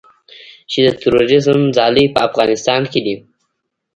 چې د تروریزم ځالې په افغانستان کې دي